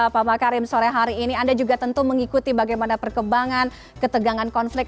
pak makarim sore hari ini anda juga tentu mengikuti bagaimana perkembangan ketegangan konflik